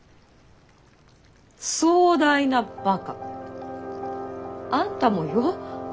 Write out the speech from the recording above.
壮大なバカ。あんたもよ。